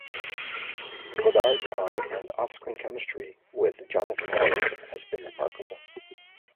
Goddard's on- and off-screen chemistry with Jonathan Harris had been remarkable.